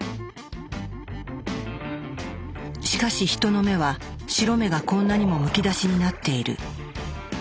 しかしヒトの目は白目がこんなにもむき出しになっている。